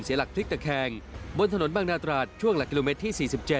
หลักพลิกตะแคงบนถนนบางนาตราดช่วงหลักกิโลเมตรที่๔๗